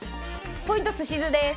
ポイントすし酢です